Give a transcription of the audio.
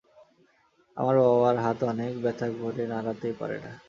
আমার বাবার হাত অনেক ব্যথা করে নাড়াতেই পারে না।